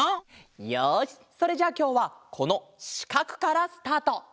よしそれじゃあきょうはこのしかくからスタート。